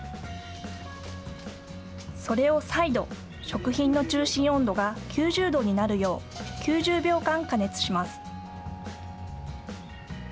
それを再度、食品の中心温度が９０度になるよう９０秒間、加熱します。